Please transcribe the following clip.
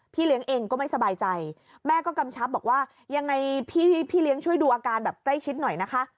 เลี้ยงเองก็ไม่สบายใจแม่ก็กำชับบอกว่ายังไงพี่เลี้ยงช่วยดูอาการแบบใกล้ชิดหน่อยนะคะ